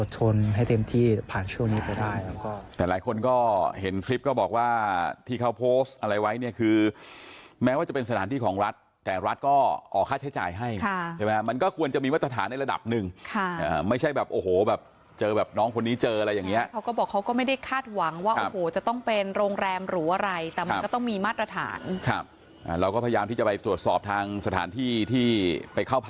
ที่เขาอะไรไว้เนี่ยคือแม้ว่าจะเป็นสถานที่ของรัฐแต่รัฐก็ออกค่าใช้จ่ายให้ค่ะใช่ไหมฮะมันก็ควรจะมีวัตถาฐานในระดับหนึ่งค่ะอ่าไม่ใช่แบบโอ้โหแบบเจอแบบน้องคนนี้เจออะไรอย่างเงี้ยเขาก็บอกเขาก็ไม่ได้คาดหวังว่าโอ้โหจะต้องเป็นโรงแรมหรูอะไรแต่มันก็ต้องมีมาตรฐานครับอ่าเราก็พยายามที่จะไปตรว